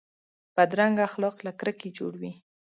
بدرنګه اخلاق له کرکې جوړ وي